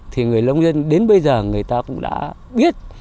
thì người lông dân đến bây giờ người ta cũng đã biết